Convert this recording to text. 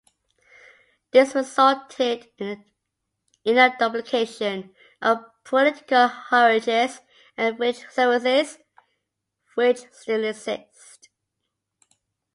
This resulted in a duplication of political hierarchies and village services which still exists.